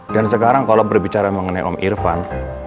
dan sekarang kalau berbicara mengenai om irfan